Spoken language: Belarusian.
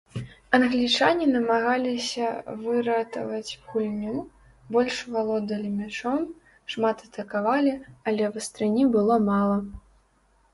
Англічане намагаліся выратаваць гульню, больш валодалі мячом, шмат атакавалі, але вастрыні было мала.